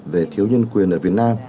về thiếu nhân quyền ở việt nam